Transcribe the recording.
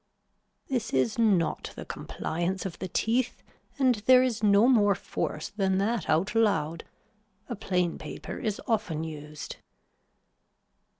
This is not the compliance of the teeth and there is no more force than that out loud. A plain paper is often used.